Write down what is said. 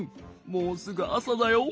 もうすぐあさだよ。